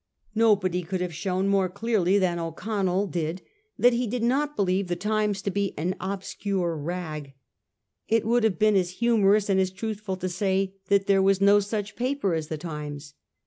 Nobody could have shown more clearly than O'Connell did that he did not believe the Times to be 'an obscure rag.' It would have been as humorous and as truthful to say that there was no such paper as the Times.